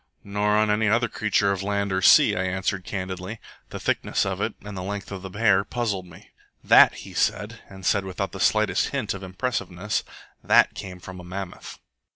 "Nor on any other creature of land or sea," I answered candidly. The thickness of it, and the length of the hair, puzzled me. "That," he said, and said without the slightest hint of impressiveness, "that came from a mammoth."